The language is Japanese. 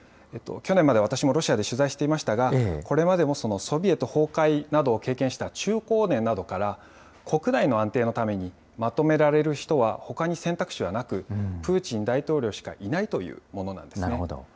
去年まで私もロシアで取材していましたが、これまでもソビエト崩壊などを経験した中高年などから、国内の安定のためにまとめられる人は、ほかに選択肢はなく、プーチン大統領しかいないというものなんですね。